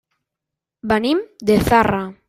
Venim de Zarra.